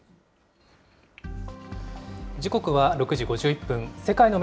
時刻は６時５１分。